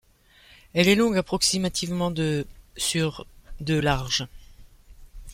Elle est longue approximativement de sur de large.